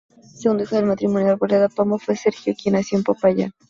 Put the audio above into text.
El segundo hijo del matrimonio Arboleda Pombo fue Sergio, quien nació en Popayán.